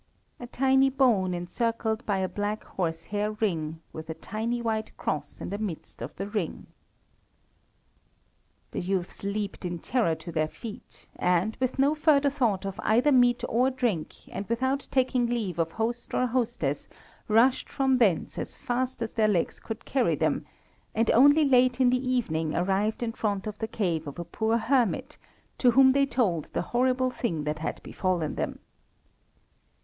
A tiny bone encircled by a black horsehair ring, with a tiny white cross in the midst of the ring. The youths leaped in terror to their feet, and, with no further thought of either meat or drink, and without taking leave of host or hostess, rushed from thence as fast as their legs could carry them, and only late in the evening arrived in front of the cave of a poor hermit, to whom they told the horrible thing that had befallen them.